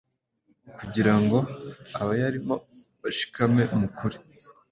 kugira ngo abayarimo bashikame mu kuri